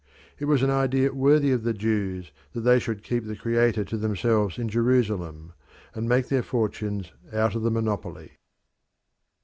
It was an idea worthy of the Jews that they should keep the Creator to themselves in Jerusalem, and make their fortunes out of the monopoly.